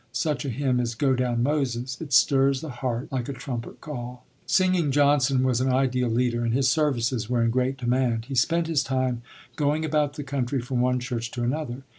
Such a hymn is "Go down, Moses." It stirs the heart like a trumpet call. "Singing Johnson" was an ideal leader, and his services were in great demand. He spent his time going about the country from one church to another.